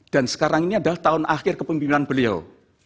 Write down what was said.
dan sekarang ini adalah tahun akhir kepemimpinan beliau